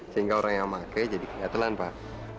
sehingga orang yang pakai jadi kenyatelan pak